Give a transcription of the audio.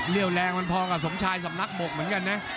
แรงมันพอกับสมชายสำนักบกเหมือนกันนะ